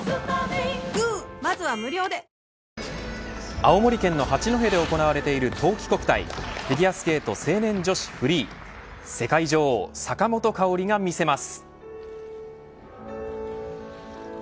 青森県の八戸で行われてる冬季国体フィギュアスケート成年女子フリー世界女王、坂本花織が見せます。